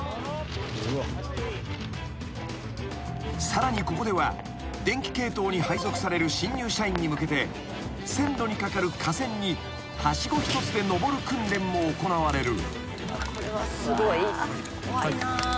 ［さらにここでは電気系統に配属される新入社員に向けて線路に架かる架線にはしご一つで上る訓練も行われる］